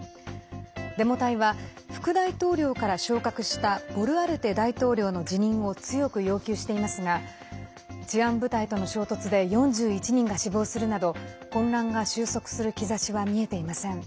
デモ隊は副大統領から昇格したボルアルテ大統領の辞任を強く要求していますが治安部隊との衝突で４１人が死亡するなど混乱が収束する兆しは見えていません。